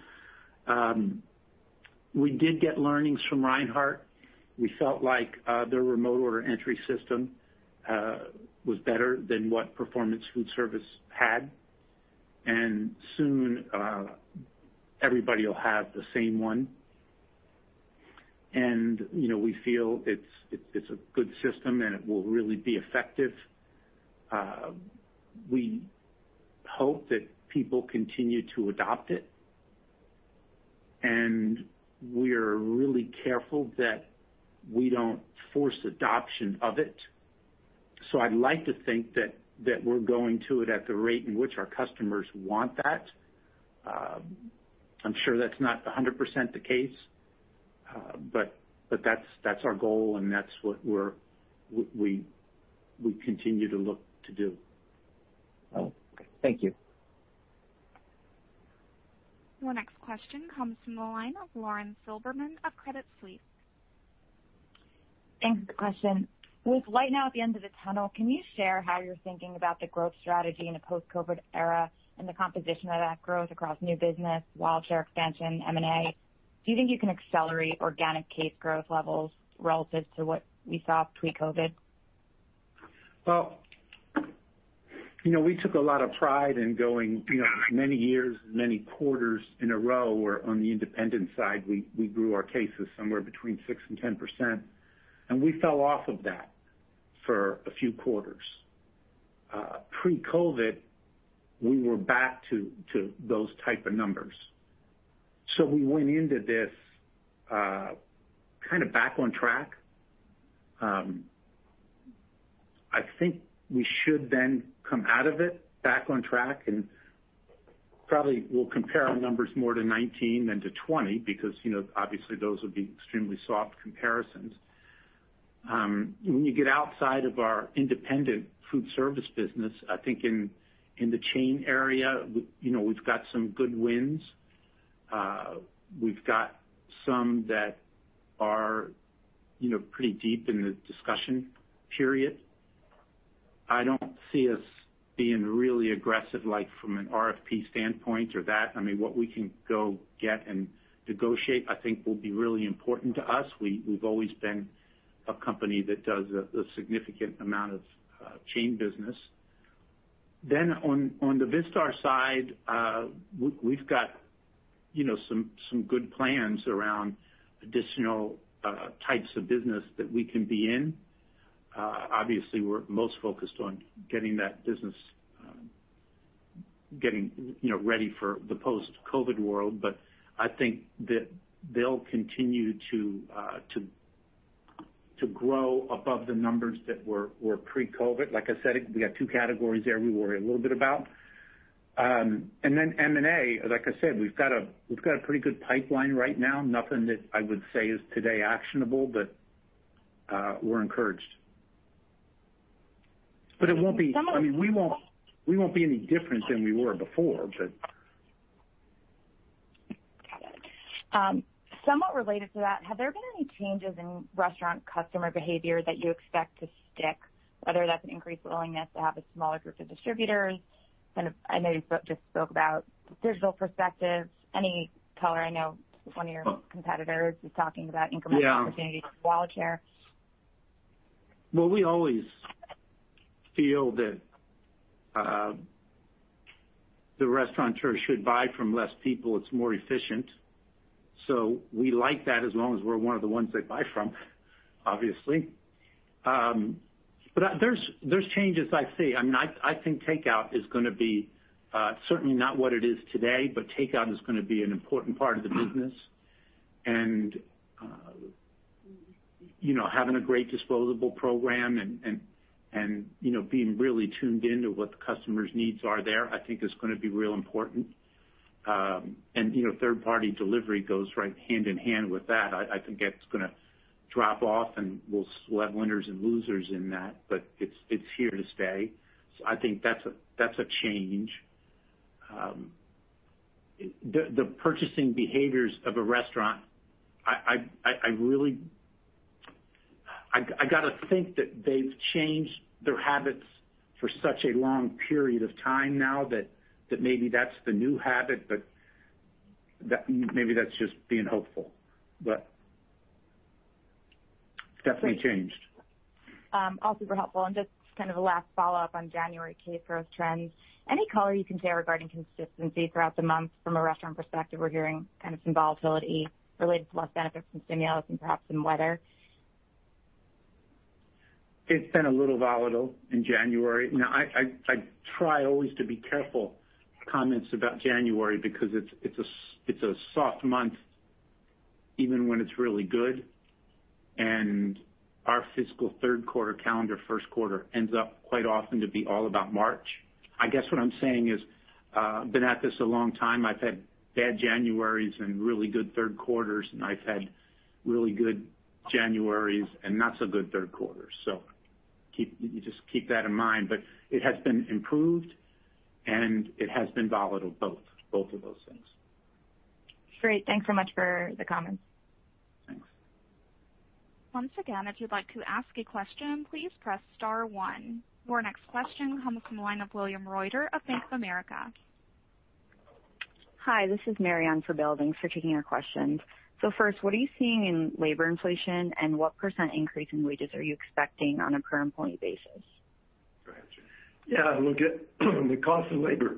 We did get learnings from Reinhart. We felt like their remote order entry system was better than what Performance Foodservice had, and soon everybody will have the same one. We feel it's a good system, and it will really be effective. We hope that people continue to adopt it, and we are really careful that we don't force adoption of it. I'd like to think that we're going to it at the rate in which our customers want that. I'm sure that's not 100% the case. That's our goal, and that's what we continue to look to do. Oh, okay. Thank you. The next question comes from the line of Lauren Silberman of Credit Suisse. Thanks for the question. With light now at the end of the tunnel, can you share how you're thinking about the growth strategy in a post-COVID era and the composition of that growth across new business, wallet share expansion, M&A? Do you think you can accelerate organic case growth levels relative to what we saw pre-COVID? Well, we took a lot of pride in going, many years, many quarters in a row where on the independent side, we grew our cases somewhere between 6% and 10%, and we fell off of that for a few quarters. Pre-COVID, we were back to those type of numbers. We went into this kind of back on track. I think we should come out of it back on track and probably we'll compare our numbers more to 2019 than to 2020 because, obviously those would be extremely soft comparisons. When you get outside of our independent foodservice business, I think in the chain area, we've got some good wins. We've got some that are pretty deep in the discussion period. I don't see us being really aggressive from an RFP standpoint or that. What we can go get and negotiate, I think will be really important to us. We've always been a company that does a significant amount of chain business. On the Vistar side, we've got some good plans around additional types of business that we can be in. Obviously, we're most focused on getting that business ready for the post-COVID world. I think that they'll continue to grow above the numbers that were pre-COVID. Like I said, we got two categories there we worry a little bit about. M&A, like I said, we've got a pretty good pipeline right now. Nothing that I would say is today actionable, but we're encouraged. We won't be any different than we were before. Got it. Somewhat related to that, have there been any changes in restaurant customer behavior that you expect to stick, whether that's an increased willingness to have a smaller group of distributors? I know you just spoke about digital perspective. Any color? Yeah. opportunities for wallet share. Well, we always feel that the restaurateur should buy from less people. It's more efficient. We like that as long as we're one of the ones they buy from, obviously. There's changes. I think takeout is going to be, certainly not what it is today, but takeout is going to be an important part of the business. Having a great disposable program and being really tuned in to what the customer's needs are there, I think is going to be real important. Third-party delivery goes right hand in hand with that. I think that's going to drop off, and we'll have winners and losers in that, but it's here to stay. I think that's a change. The purchasing behaviors of a restaurant, I gotta think that they've changed their habits for such a long period of time now that maybe that's the new habit, maybe that's just being hopeful. It's definitely changed. All super helpful, and just kind of a last follow-up on January case growth trends. Any color you can share regarding consistency throughout the month from a restaurant perspective? We're hearing kind of some volatility related to less benefits from stimulus and perhaps some weather. It's been a little volatile in January. I try always to be careful comments about January because it's a soft month even when it's really good. Our fiscal third quarter, calendar first quarter ends up quite often to be all about March. I guess what I'm saying is, I've been at this a long time. I've had bad Januaries and really good third quarters, and I've had really good Januaries and not so good third quarters. Just keep that in mind. It has been improved, and it has been volatile, both of those things. Great. Thanks so much for the comments. Thanks. Once again, if you'd like to ask a question, please press star one. Your next question comes from the line of William Reuter of Bank of America. Hi, this is Marianne Ferbelding. Thanks for taking our questions. First, what are you seeing in labor inflation, and what percentage increase in wages are you expecting on a per-employee basis? Go ahead, Jim. Yeah. Look at the cost of labor.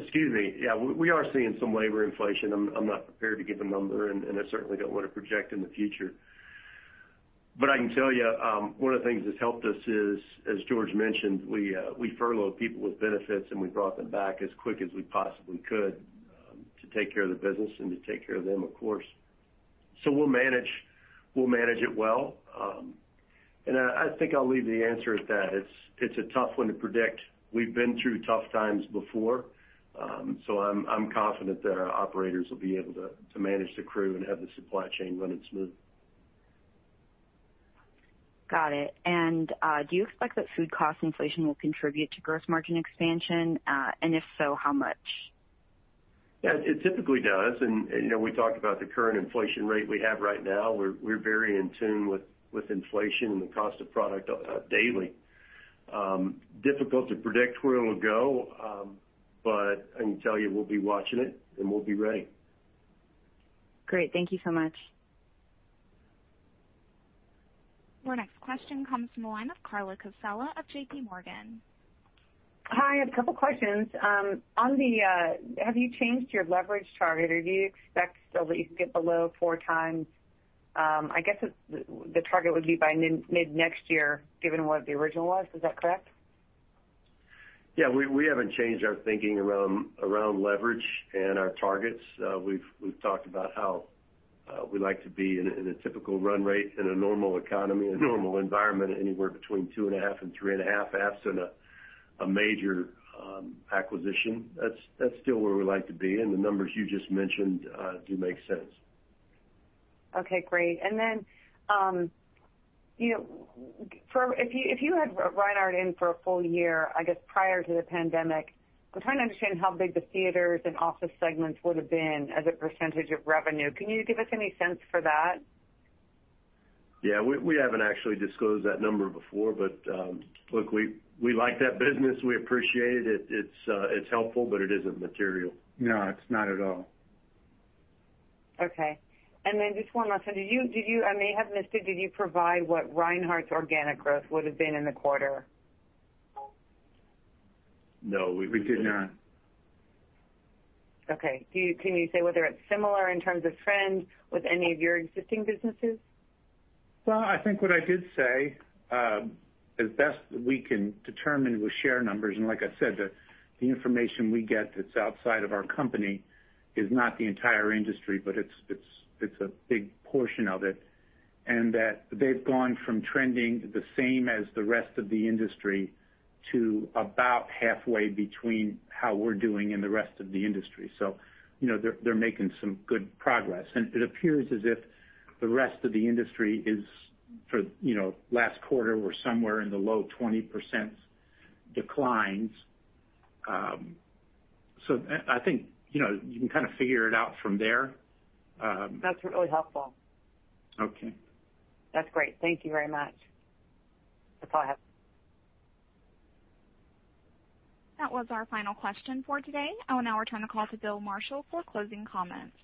Excuse me. Yeah. We are seeing some labor inflation. I'm not prepared to give a number, and I certainly don't want to project in the future. I can tell you, one of the things that's helped us is, as George mentioned, we furloughed people with benefits, and we brought them back as quick as we possibly could to take care of the business and to take care of them, of course. We'll manage it well. I think I'll leave the answer at that. It's a tough one to predict. We've been through tough times before, so I'm confident that our operators will be able to manage the crew and have the supply chain running smooth. Got it. Do you expect that food cost inflation will contribute to gross margin expansion? If so, how much? Yeah. It typically does. We talked about the current inflation rate we have right now. We're very in tune with inflation and the cost of product daily. Difficult to predict where it'll go, but I can tell you we'll be watching it, and we'll be ready. Great. Thank you so much. Your next question comes from the line of Carla Casella of JPMorgan. Hi, a couple questions. Have you changed your leverage target, or do you expect still that you can get below 4x? I guess the target would be by mid-next year, given what the original was. Is that correct? Yeah. We haven't changed our thinking around leverage and our targets. We've talked about how we like to be in a typical run rate in a normal economy, a normal environment, anywhere between two and a half and three and a half, absent a major acquisition. That's still where we like to be, and the numbers you just mentioned do make sense. Okay, great. If you had Reinhart in for a full-year, I guess, prior to the pandemic, I'm trying to understand how big the theaters and office segments would've been as a percentage of revenue. Can you give us any sense for that? Yeah. We haven't actually disclosed that number before, but look, we like that business. We appreciate it. It's helpful, but it isn't material. No, it's not at all. Okay. Just one last one. I may have missed it, did you provide what Reinhart's organic growth would've been in the quarter? No. We did not. Okay. Can you say whether it's similar in terms of trends with any of your existing businesses? Well, I think what I did say, as best we can determine with share numbers, and like I said, the information we get that's outside of our company is not the entire industry, but it's a big portion of it, and that they've gone from trending the same as the rest of the industry to about halfway between how we're doing and the rest of the industry. They're making some good progress. It appears as if the rest of the industry is for last quarter or somewhere in the low 20% declines. I think you can kind of figure it out from there. That's really helpful. Okay. That's great. Thank you very much. That's all I have. That was our final question for today. I will now return the call to Bill Marshall for closing comments.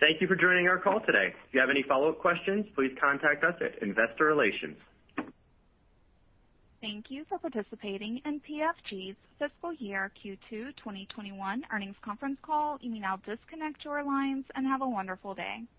Thank you for joining our call today. If you have any follow-up questions, please contact us at Investor Relations. Thank you for participating in PFG's Fiscal Year Q2 2021 earnings conference call. You may now disconnect your lines and have a wonderful day.